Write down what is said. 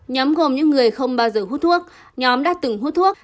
nhóm gồm những người không bao giờ hút thuốc nhóm đã từng hút thuốc